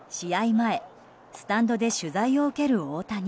前スタンドで取材を受ける大谷。